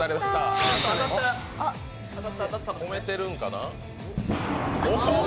止めてるんかな？